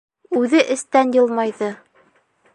Үҙе эстән йылмайҙы.